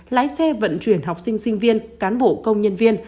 lái xe vận chuyển học sinh sinh viên cán bộ công nhân viên